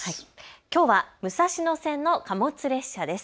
きょうは武蔵野線の貨物列車です。